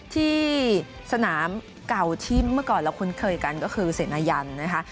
ที่สนามเก่าที่เมื่อก่อนเราคุ้นเคยกันก็คือเสนายันนะคะ